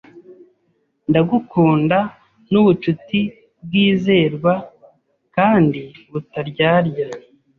Ndagukunda nubucuti bwizerwa kandi butaryarya